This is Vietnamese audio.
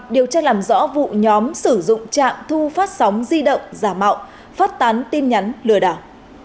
điều tra làm rõ vụ nhóm sử dụng trạm thu phát sóng di động giả mạo phát tán tin nhắn lừa đảo